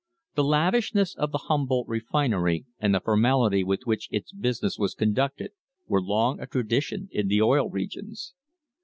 The lavishness of the Humboldt refinery and the formality with which its business was conducted were long a tradition in the Oil Regions.